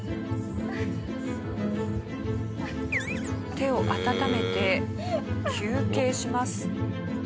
手を温めて休憩します。